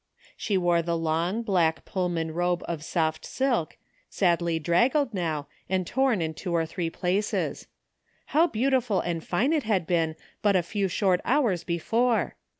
She wore the long black Pullman robe of soft silk, sadly draggled now and torn in two or three places. How beautiful and fine it had been but a few short hours before